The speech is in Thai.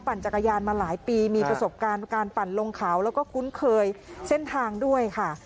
จักรยานมาหลายปีมีประสบการณ์การปั่นลงเขาแล้วก็คุ้นเคยเส้นทางด้วยค่ะ